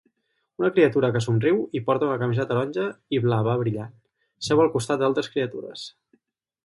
Una criatura que somriu i porta una camisa taronja i blava brillant seu al costat d'altres criatures.